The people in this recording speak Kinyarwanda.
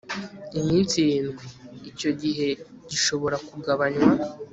iminsi irindwi Icyo gihe gishobora kugabanywa